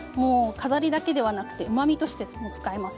飾りだけではなくてうまみとしても使います。